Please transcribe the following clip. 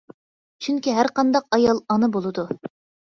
چۈنكى، ھەر قانداق ئايال ئانا بولىدۇ.